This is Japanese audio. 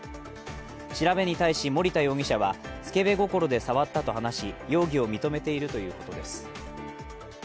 調べに対し、森田容疑者はスケベ心で触ったと話し容疑を認めているということです。